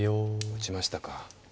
打ちましたか。